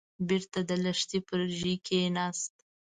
بېرته د لښتي پر ژۍ کېناست.